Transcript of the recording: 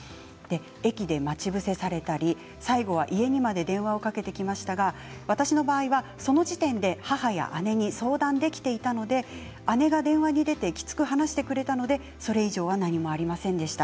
駅で待ち伏せをされたり最後は、家にまで電話をかけてきましたが私の場合はその時点で母や姉に相談できていたので姉が電話に出てきつく話してくれたのでそれ以上は何もありませんでした。